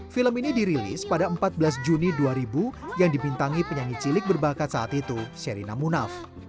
film ini dirilis pada empat belas juni dua ribu yang dibintangi penyanyi cilik berbakat saat itu sherina munaf